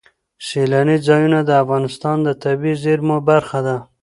سیلانی ځایونه د افغانستان د طبیعي زیرمو برخه ده.